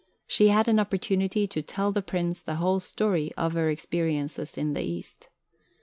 She had an opportunity to "tell the Prince the whole story" of her experiences in the East.